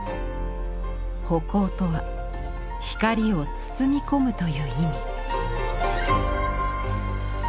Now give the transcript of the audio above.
葆光とは「光を包み込む」という意味。